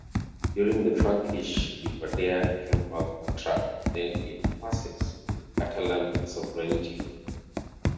During the Frankish Livadeia came back on track, then it passes in Catalan sovereignty.